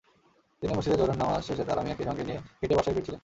তিনি মসজিদে জোহরের নামাজ শেষে তারা মিয়াকে সঙ্গে নিয়ে হেঁটে বাসায় ফিরছিলেন।